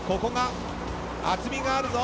厚みがあるぞ。